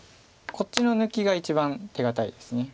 こっちの抜きが一番手堅いです。